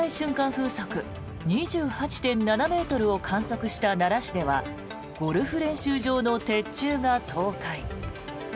風速２８．７ｍを観測した奈良市ではゴルフ練習場の鉄柱が倒壊。